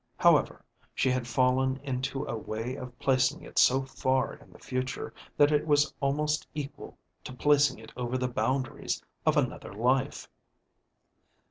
However she had fallen into a way of placing it so far in the future that it was al most equal to placing it over the boundaries of another life.